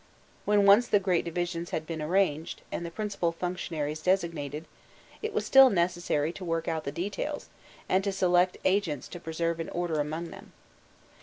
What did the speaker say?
When once the great divisions had been arranged, and the principal functionaries designated, it was still necessary to work out the details, and to select v agents to preserve an order among them.